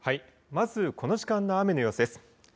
まず、この時間の雨の様子です。